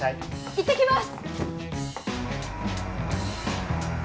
いってきます！